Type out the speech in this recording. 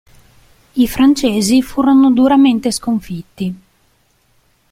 I francesi furono duramente sconfitti.